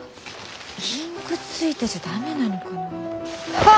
インクついてちゃ駄目なのかな？